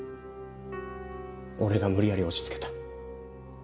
俺が無理やり押し付けた。